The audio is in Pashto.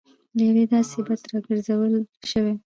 له یوې داسې بدۍ راګرځول شوي.